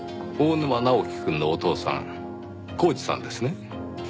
大沼直樹くんのお父さん浩司さんですね。